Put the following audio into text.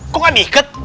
kok gak diikat